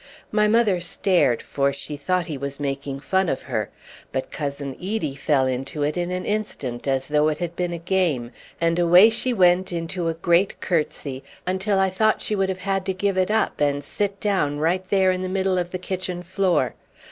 My mother stared, for she thought he was making fun of her; but Cousin Edie fell into it in an instant, as though it had been a game, and away she went in a great curtsy until I thought she would have had to give it up, and sit down right there in the middle of the kitchen floor.